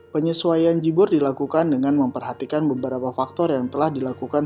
penyesuaian jibur dilakukan dengan memperhatikan beberapa faktor yang telah dilakukan